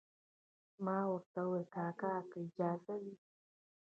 ما ورته وویل کاکا که اجازه وي.